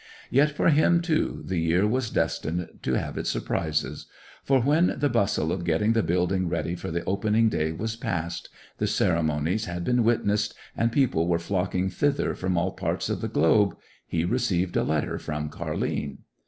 Yet for him, too, the year was destined to have its surprises, for when the bustle of getting the building ready for the opening day was past, the ceremonies had been witnessed, and people were flocking thither from all parts of the globe, he received a letter from Car'line.